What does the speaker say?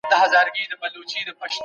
زما به يو ته ارمان کيږې